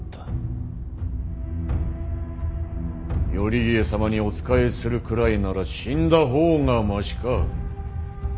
頼家様にお仕えするくらいなら死んだ方がマシか。